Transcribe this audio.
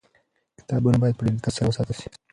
کتابونه باید په ډېر دقت سره وساتل سي.